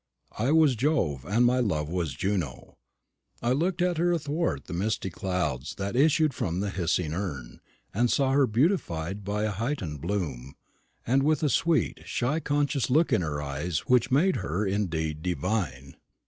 I was Jove, and my love was Juno. I looked at her athwart the misty clouds that issued from the hissing urn, and saw her beautified by a heightened bloom, and with a sweet, shy conscious look in her eyes which made her indeed divine.